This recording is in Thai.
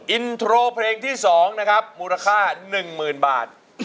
อินโทรเพลงที่สองนะครับมูลค่าหนึ่งหมื่นบาท